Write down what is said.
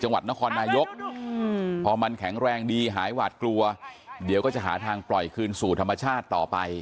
จังหวัดนครนายกพอมันแข็งแรงดีหายหวาดกลัวเดี๋ยวก็จะหาทางปล่อยคืนสู่ธรรมชาติต่อไป